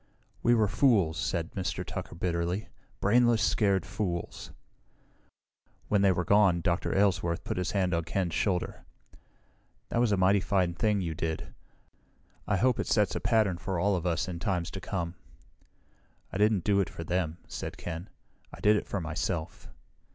"We were fools," said Mr. Tucker bitterly. "Brainless, scared fools." When they were gone, Dr. Aylesworth put his hand on Ken's shoulder. "That was a mighty fine thing you did. I hope it sets a pattern for all of us in times to come." "I didn't do it for them," said Ken. "I did it for myself."